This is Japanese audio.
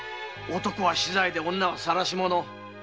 男は死罪で女は「晒し者」